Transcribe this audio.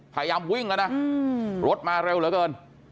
พยายามวิ่งแล้วนะรถมาเร็วเหลือเกิน